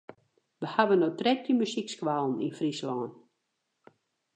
We hawwe no trettjin muzykskoallen yn Fryslân.